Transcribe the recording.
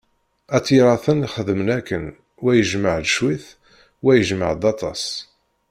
At Yiraten xedmen akken, wa ijemɛ-d cwiṭ, wa ijemɛ-d aṭas.